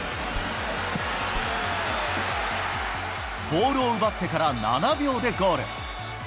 ボールを奪ってから７秒でゴール。